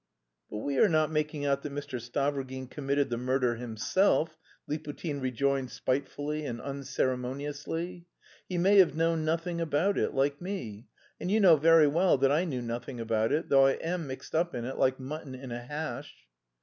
"But we are not making out that Mr. Stavrogin committed the murder himself," Liputin rejoined spitefully and unceremoniously. "He may have known nothing about it, like me; and you know very well that I knew nothing about it, though I am mixed up in it like mutton in a hash."